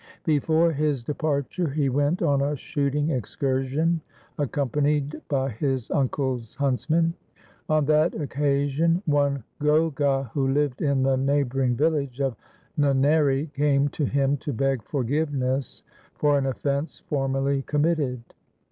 Before his departure he went on a shooting excursion accompanied by his uncle's huntsmen. On that occasion one Ghogha, who lived in the neighbouring village of Naneri, came to him to beg forgiveness for an offence formerly committed.